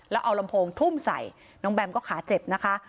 แล้วเอาลำโพงทุ่มใส่น้องแบมก็ขาเจ็บนะคะ